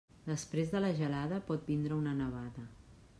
Després de la gelada pot vindre una nevada.